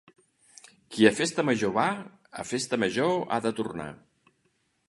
Qui a festa major va, a festa major ha de tornar.